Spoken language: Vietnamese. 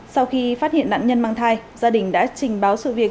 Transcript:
sau khi phát hiện nạn nhân mang thai gia đình đã trình báo sự việc